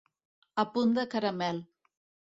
A punt de caramel.